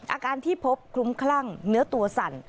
อาการที่พบคลุ้มคลั่งเนื้อตัวสั่น